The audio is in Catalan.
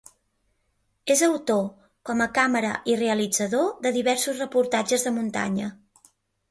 És autor, com a càmera i realitzador, de diversos reportatges de muntanya.